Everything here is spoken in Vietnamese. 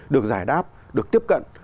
được giải đáp được tiếp cận